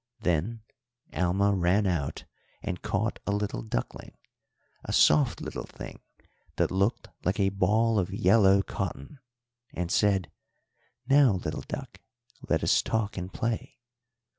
Then Alma ran out and caught a little duckling, a soft little thing that looked like a ball of yellow cotton, and said: "'Now, little duck, let us talk and play.'